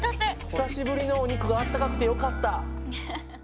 久しぶりのお肉があったかくてよかった。